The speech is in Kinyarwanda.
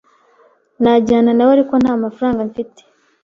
Najyana nawe, ariko ntamafaranga mfite.